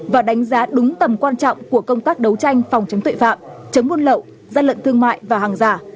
và đánh giá đúng tầm quan trọng của công tác đấu tranh phòng chống tội phạm chống buôn lậu gian lận thương mại và hàng giả